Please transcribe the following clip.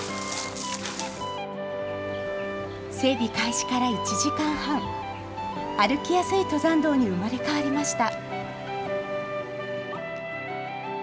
整備開始から１時間半、歩きやすい登山道に生まれ変わりました。